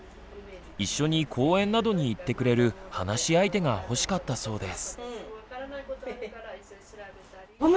一緒に公園などに行ってくれる話し相手が欲しかったそうです。